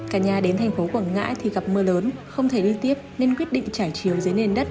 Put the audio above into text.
cả nhà đến tp hcm thì gặp mưa lớn không thể đi tiếp nên quyết định trải chiều dưới nền đất